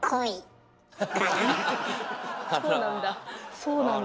そうなんだ。